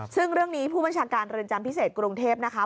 ซึ่งเรื่องนี้ผู้บัญชาการเรือนจำพิเศษกรุงเทพนะคะ